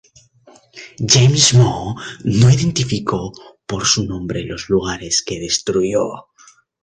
James Moore no identificó por su nombre los lugares que destruyó.